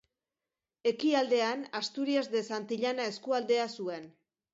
Ekialdean Asturias de Santillana eskualdea zuen.